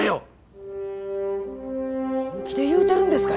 本気で言うてるんですか？